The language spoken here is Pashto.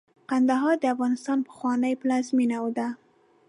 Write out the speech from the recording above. کندهار د افغانستان پخوانۍ پلازمېنه ده.